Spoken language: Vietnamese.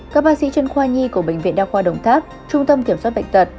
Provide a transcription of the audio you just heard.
các bác sĩ chuyên khoa nhi của bệnh viện đa khoa đồng tháp trung tâm kiểm soát bệnh tật